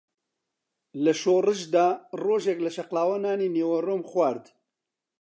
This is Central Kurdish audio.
لە شۆڕشدا ڕۆژێک لە شەقڵاوە نانی نیوەڕۆم خوارد